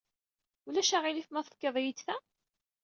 Ulac aɣilif ma tefkiḍ-iyi-d ta?